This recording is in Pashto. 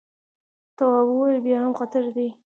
تواب وويل: بیا هم خطر دی.